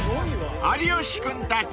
［有吉君たち